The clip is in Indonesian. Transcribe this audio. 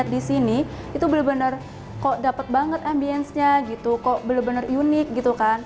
di sini kok dapat banget ambiensnya kok benar benar unik